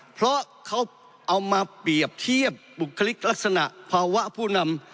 เพราะเขาเอามาเปรียบเทียบบุคลิกลักษณะภาวะผู้นำ